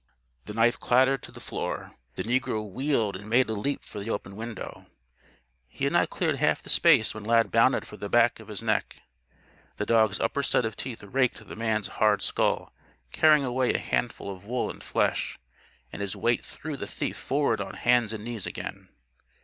The knife clattered to the floor. The negro wheeled and made a leap for the open window; he had not cleared half the space when Lad bounded for the back of his neck. The dog's upper set of teeth raked the man's hard skull, carrying away a handful of wool and flesh; and his weight threw the thief forward on hands and knees again.